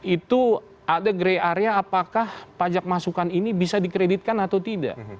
itu ada gray area apakah pajak masukan ini bisa dikreditkan atau tidak